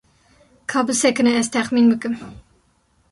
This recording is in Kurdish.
Ka bisekine ez texmîn bikim.